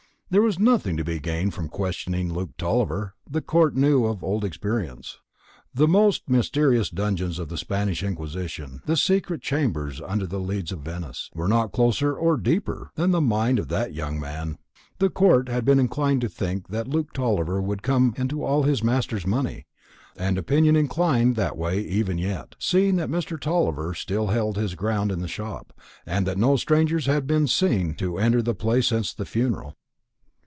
There was nothing to be gained from questioning Luke Tulliver, the court knew of old experience. The most mysterious dungeons of the Spanish Inquisition, the secret chambers under the leads in Venice, were not closer or deeper than the mind of that young man. The court had been inclined to think that Luke Tulliver would come into all his master's money; and opinion inclined that way even yet, seeing that Mr. Tulliver still held his ground in the shop, and that no strangers had been seen to enter the place since the funeral.